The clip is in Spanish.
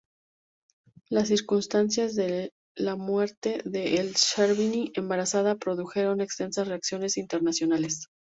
Las circunstancias de la muerte de El-Sherbini, embarazada, produjeron extensas reacciones internacionales.